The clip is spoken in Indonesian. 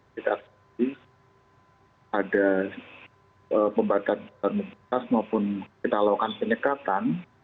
kita lihat ada pembatasan aktivitas maupun kita melakukan penyekatan